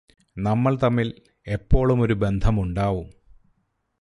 നമ്മൾ തമ്മിൽ എപ്പോളുമൊരു ബന്ധമുണ്ടാവും